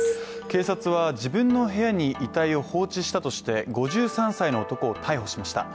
警察は自分の部屋に遺体を放置したとして５３歳の男を逮捕しました。